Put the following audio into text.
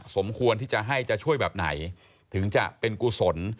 สมควรที่จะให้จะช่วยแบบไหนถึงจะเป็นกุศล